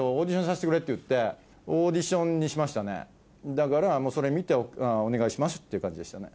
だからそれ見てお願いしますっていう感じでしたね。